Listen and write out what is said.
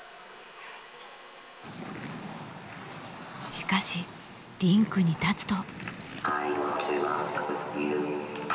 しかしリンクに立つと。